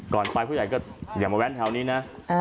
ไปผู้ใหญ่ก็อย่ามาแว้นแถวนี้นะ